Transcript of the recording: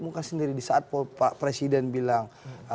muka sendiri di saat pak presiden bilang